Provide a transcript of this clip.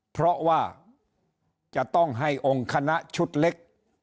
เพราะว่าจะต้องให้องค์คณะชุดเล็ก